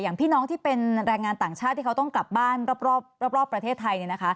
พี่น้องที่เป็นแรงงานต่างชาติที่เขาต้องกลับบ้านรอบประเทศไทย